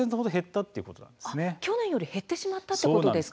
去年より減ってしまったそうなんです。